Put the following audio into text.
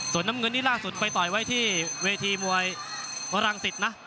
ส่วนน้ำเงินนี่ล่าสุดไปต่อยไว้ที่เวทีมวยพระรังสิตนะ